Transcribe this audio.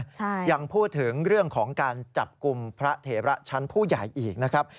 ใช่ยังพูดถึงเรื่องของการจับกลุ่มพระเถระชั้นผู้ใหญ่อีกนะครับ